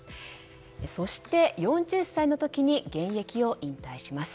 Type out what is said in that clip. そして、４０歳の時に現役を引退します。